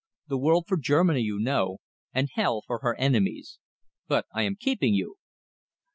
The world for Germany, you know, and hell for her enemies!... But I am keeping you."